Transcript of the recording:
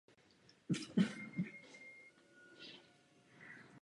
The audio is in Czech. Obcí protéká říčka Le Bleu.